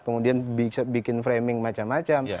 kemudian bikin framing macam macam